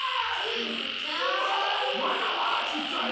まだまだちっちゃいぞ？